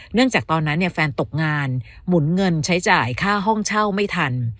จากตอนนั้นแฟนตกงานหมุนเงินใช้จ่ายค่าห้องเช่าไม่ทัน